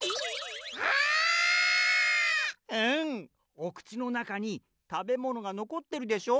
おくちのなかにたべものがのこってるでしょう？